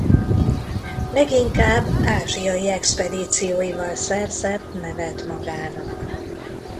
Leginkább ázsiai expedícióival szerzett nevet magának.